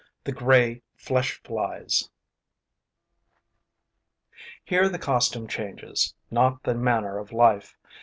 THE GREY FLESH FLIES Here the costume changes, not the manner of life.